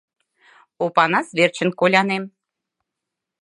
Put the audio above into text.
Опанас верчын колянем.